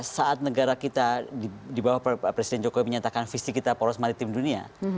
saat negara kita di bawah presiden jokowi menyatakan visi kita poros maritim dunia